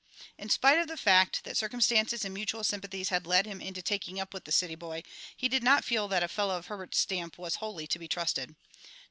In spite of the fact that circumstances and mutual sympathies had led him into taking up with the city boy, he did not feel that a fellow of Herbert's stamp was wholly to be trusted.